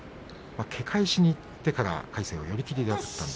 け返しにいってから魁聖に寄り切りで勝ちました。